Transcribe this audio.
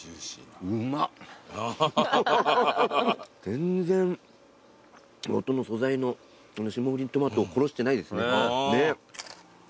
全然元の素材の霜降りトマトを殺してないですね。